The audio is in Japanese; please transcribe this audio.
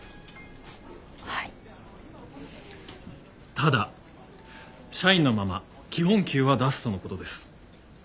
ただ社員のまま基本給は出すとのことです。